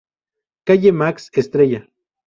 Calle Max Estrella.